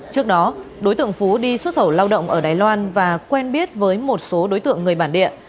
trước đó đối tượng phú đi xuất khẩu lao động ở đài loan và quen biết với một số đối tượng người bản địa